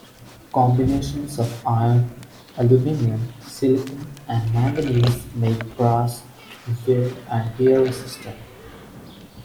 Combinations of iron, aluminium, silicon and manganese make brass wear and tear resistant.